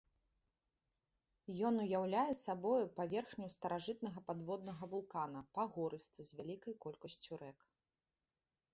Ён уяўляе сабою паверхню старажытнага падводнага вулкана, пагорысты, з вялікай колькасцю рэк.